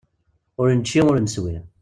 Ur nečči ur neswi.